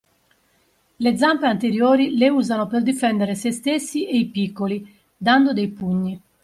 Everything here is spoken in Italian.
La zampe anteriori le usano per difendere se stessi e i piccoli dando dei “pugni”.